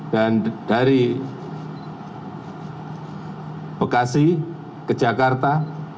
dan dari bekasi ke jakarta